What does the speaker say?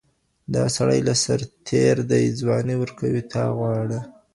دا سړى له سرتير دئ ځواني وركوي تا غواړي